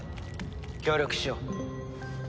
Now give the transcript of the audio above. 協力しよう。